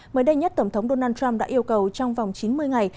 mới đây nhất tổng thống donald trump đã yêu cầu trong vòng chín mươi ngày